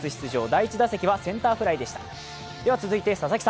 第１打席はセンターフライでした。